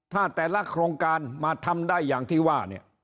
ถ้าแต่ละโครงการมาทำได้อย่างที่ว่าเนี่ย